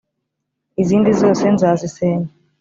izindi zose nzazisenya